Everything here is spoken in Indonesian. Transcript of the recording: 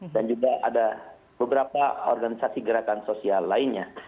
dan juga ada beberapa organisasi gerakan sosial lainnya